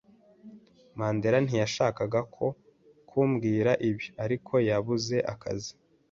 Mandera ntiyashakaga ko nkubwira ibi, ariko yabuze akazi.